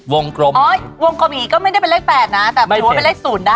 วงกรมอย่างนี้ก็ไม่ได้เป็นเลข๘นะแต่หรือว่าเป็นเลข๐ได้